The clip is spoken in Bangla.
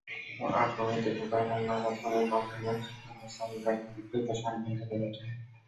আক্রমণের তীব্রতা এবং নারাধ্বনির কম্পনে গাসসানীরা ভীতসন্ত্রস্ত হয়ে ওঠে।